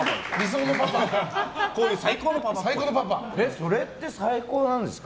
それって最高なんですか。